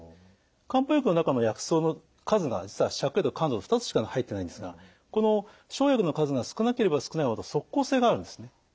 漢方薬の中の薬草の数が芍薬と甘草の２つしか入ってないんですがこの生薬の数が少なければ少ないほど即効性があるんですね。